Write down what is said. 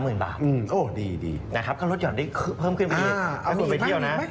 รถยอดประสิทธิ์ที่เพิ่มขึ้นมาเพราะไปเที่ยวนะ